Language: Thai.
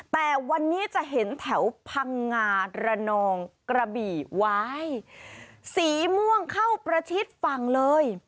แต่วันนี้จะเห็นแถวพังงาระนองกระบี่ว้ายสีม่วงเข้าประชิดฝั่งเลย